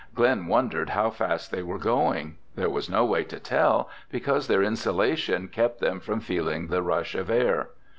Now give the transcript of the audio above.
Glen wondered how fast they were going. There was no way to tell because their insulation kept them from feeling the rush of air.